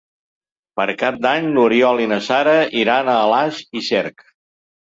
Per Cap d'Any n'Oriol i na Sara iran a Alàs i Cerc.